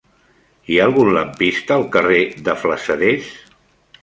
Hi ha algun lampista al carrer de Flassaders?